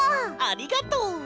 ありがとう！